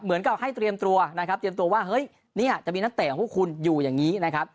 เหมือนกับให้เตรียมตัวนะครับเตรียมตัวว่าเฮ้ยเนี่ยจะมีนักเตะของพวกคุณอยู่อย่างนี้นะครับ